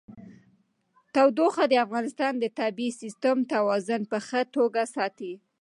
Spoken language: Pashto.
تودوخه د افغانستان د طبعي سیسټم توازن په ښه توګه ساتي.